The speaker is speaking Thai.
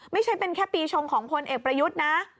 ไม่ใช่เป็นแค่ปีชงของพลเอกประยุทธ์นะ